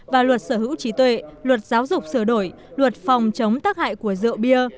và luật sở hữu trí tuệ luật giáo dục sửa đổi luật phòng chống tác hại của rượu bia